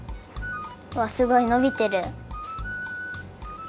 うわすごいのびてる。